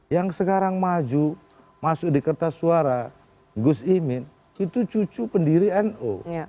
yang sekarang maju masuk di kertas suara gus imin itu cucu pendiri nu